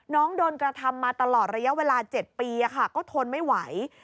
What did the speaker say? น้องโดนกระทำมาตลอดระยะเวลา๗ปีก็ทนไม่ไหว